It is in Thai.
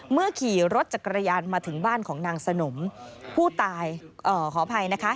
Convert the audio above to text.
ขี่รถจักรยานมาถึงบ้านของนางสนมผู้ตายขออภัยนะคะ